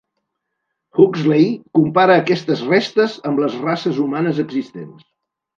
Huxley compara aquestes restes amb les races humanes existents.